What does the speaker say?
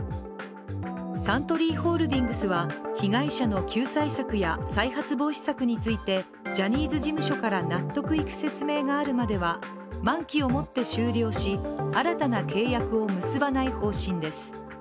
サントリーホールディングスは被害者の救済策や再発防止策についてジャニーズ事務所から納得いく説明があるまでは、満期を持って終了し、新たな契約を結ばない方針です。